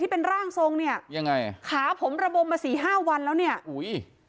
เป็นร่างทรงเนี่ยยังไงขาผมระบมมาสี่ห้าวันแล้วเนี่ยอุ้ย